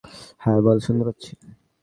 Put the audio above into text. হ্যাঁ, বল, শুনতে পাচ্ছি।